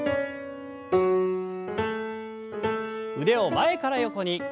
腕を前から横に。